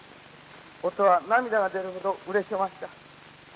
於兎は涙が出るほどうれしおました。